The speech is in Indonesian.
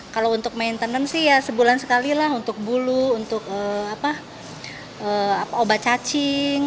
kalau untuk maintenance sih ya sebulan sekali lah untuk bulu untuk obat cacing